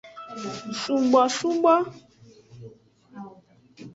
Subosubo.